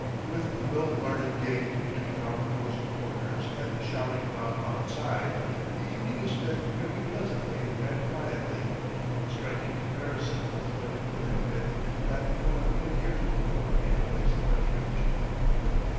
With a well guarded gate between our cosey quarters and the shouting mob outside, the evening is spent very pleasantly and quietly, in striking comparison with what it would have been had no one been here to afford me a place of refuge.